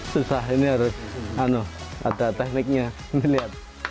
susah ini harus ada tekniknya